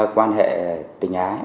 quan hệ tình ái